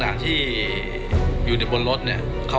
มือครับมือครับมือครับ